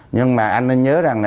nhưng mà anh nên nhớ rằng